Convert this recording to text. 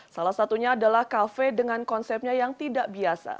salah satunya adalah kafe dengan konsepnya yang tidak biasa